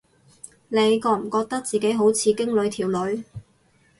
你覺唔覺得自己好似經理條女